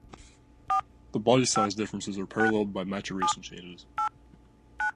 The body size differences are paralleled by maturation changes.